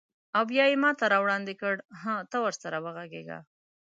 او بیا یې ماته راوړاندې کړ: هه، ته ورسره وغږیږه.